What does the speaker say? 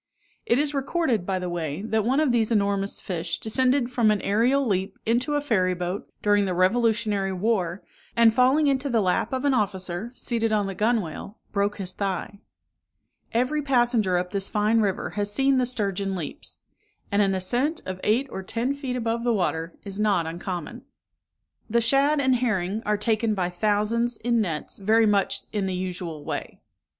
It is recorded, by the way, that one of these enormous fish descended from an aerial leap into a ferry boat, during the revolutionary war, and falling into the lap of an officer, seated on the gunwale, broke his thigh. Every passenger up this fine river has seen the sturgeon leaps; and an ascent of eight or ten feet above the water is not uncommon. The shad and herring are taken by thousands, in nets, very much in the usual way.